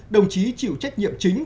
đồng chí chịu trách nhiệm chính